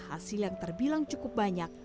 hasil yang terbilang cukup banyak